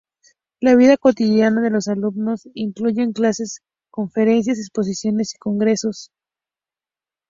La vida cotidiana de los alumnos incluyen clases, conferencias, exposiciones y congresos.